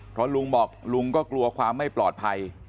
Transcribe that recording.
เพราะลุงบอกลุงก็กลัวความไม่ปลอดภัย